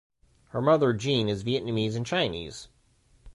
Her mother, Jean, is Vietnamese and Chinese.